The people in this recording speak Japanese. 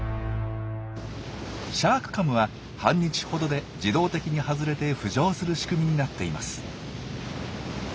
シャークカムは半日ほどで自動的に外れて浮上する仕組みになっています。